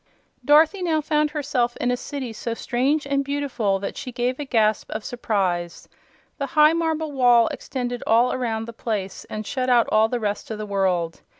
Dorothy now found herself in a city so strange and beautiful that she gave a gasp of surprise. The high marble wall extended all around the place and shut out all the rest of the world.